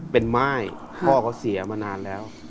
เป็นม่ายพ่อเขาเสียมานานแล้ว